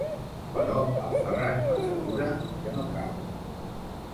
Però el Ferran m'assegura que no cal.